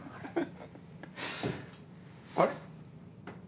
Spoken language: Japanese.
あれ？